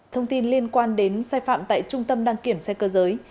thông tin liên quan đến sai phạm tại trung tâm đăng kiểm xe cơ giới